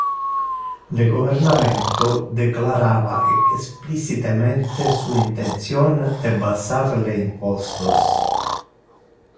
Le governamento declarava explicitemente su intention de bassar le impostos.